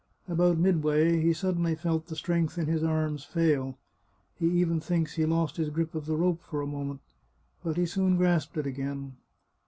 About midway he suddenly felt the strength in his arms fail ; he even thinks he lost his grip of the rope for a moment. But he soon grasped it again.